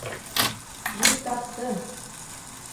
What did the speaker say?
Мин таптым!